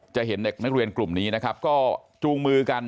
จะเห็นเด็กนักเรียนกลุ่มนี้นะครับก็จูงมือกัน